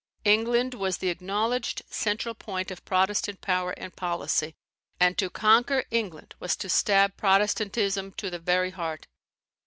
England was the acknowledged central point of Protestant power and policy; and to conquer England was to stab Protestantism to the very heart.